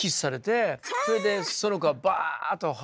それでその子はバーッと。